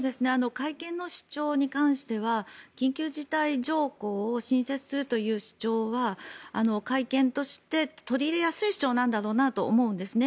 改憲の主張に関しては緊急事態条項を新設するという主張は改憲として取り入れやすい主張なんだろうなと思うんですね。